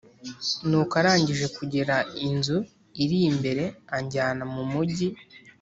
Nuko arangije kugera inzu iri imbere anjyana mu mujyi